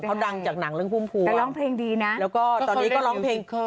เขาดังจากหนังเรื่องพุ่มพวงเขาร้องเพลงดีนะแล้วก็ตอนนี้ก็ร้องเพลงเคย